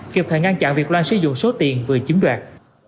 kịp thời ngăn chặn việc loan sử dụng số tiền vừa chiếm đoạt